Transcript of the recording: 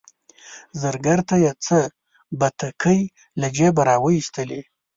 زرګر ته یې څه بتکۍ له جیبه وایستلې.